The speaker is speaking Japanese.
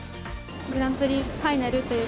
グランプリファイナルという